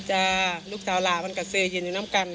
จ้าลูกเจ้าหลากมันกับเซเย็นอยู่น้ำกัน